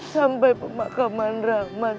sampai pemakaman ramah